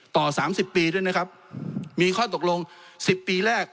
ต่อสามสิบปีด้วยนะครับมีข้อตกลง๑๐ปีแรก